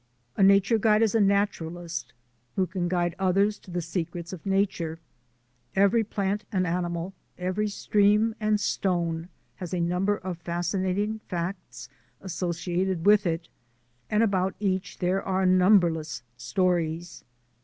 A nature guide is a naturalist who can guide others to the secrets of nature. Every plant and animal, every stream and stone, has a number oi fascinating facts associated with it and about each there are numberless stories.